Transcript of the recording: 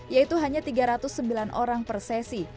yaitu hanya tiga ratus sembilan orang per sesi